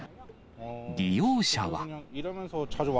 利用者は。